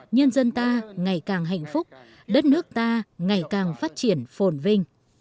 nhân dân ta ngày càng hạnh phúc đất nước ta ngày càng phát triển phồn vinh